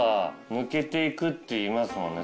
抜けていくっていいますもんね